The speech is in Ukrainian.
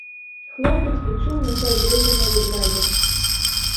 Хлопець відчув на собі дихання ведмедя.